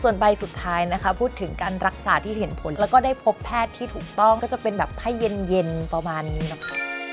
ส่วนใบสุดท้ายนะคะพูดถึงการรักษาที่เห็นผลแล้วก็ได้พบแพทย์ที่ถูกต้องก็จะเป็นแบบให้เย็นประมาณนี้นะคะ